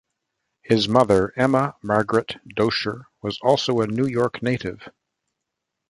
His mother, Emma Margaret Doscher, was also a New York native.